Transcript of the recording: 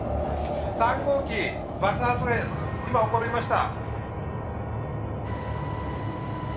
「３号機爆発が今起こりました」。